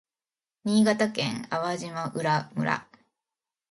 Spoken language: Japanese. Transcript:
新潟県粟島浦村